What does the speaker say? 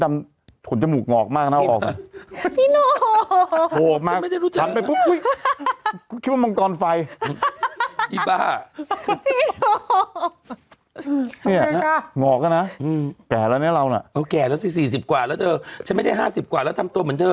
ถ้าคนจริงเขาไม่พูดเยอะเขามาแล้วอุ้ยใช่ไหม